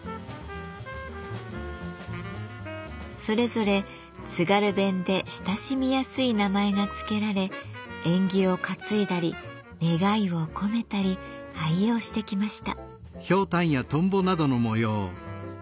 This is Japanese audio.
それぞれ津軽弁で親しみやすい名前が付けられ縁起を担いだり願いを込めたり愛用してきました。